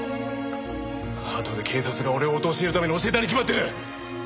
あとで警察が俺を陥れるために教えたに決まってる！